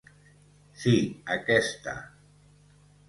si aquesta